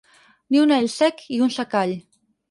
Ni un all sec i un secall.